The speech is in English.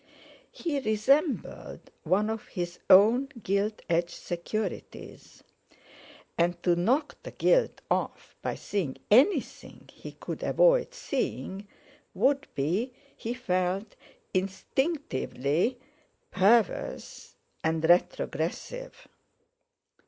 He resembled one of his own gilt edged securities, and to knock the gilt off by seeing anything he could avoid seeing would be, he felt instinctively, perverse and retrogressive.